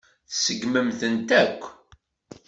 Tseggmem-tent akk.